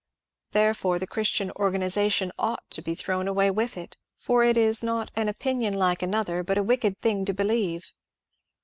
Therefore the Chris tian organization ought to be thrown away with it, for it is 390 HONCURE DANIEL CONWAY not ^*an opinion like another," but a wicked thing to be lieve.